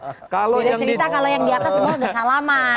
beda cerita kalau yang di atas sudah salaman